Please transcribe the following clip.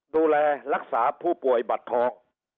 ดูแลรักษาผู้ป่วยบัตรทอง